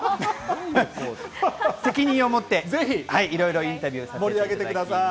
責任を持って、いろいろインタビューさせていただきます。